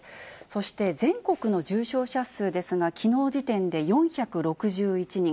そして全国の重症者数ですが、きのう時点で４６１人。